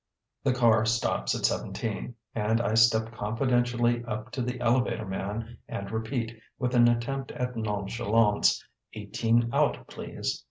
'"] The car stops at seventeen, and I step confidentially up to the elevator man and repeat, with an attempt at nonchalance, "Eighteen out, please."